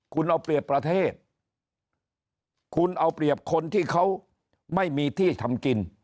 คุณเอาเปรียบประเทศคุณเอาเปรียบคนที่เขาไม่มีที่ทำกิน